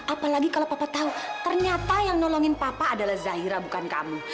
apalagi kalau papa tahu ternyata yang nolongin papa adalah zahira bukan kamu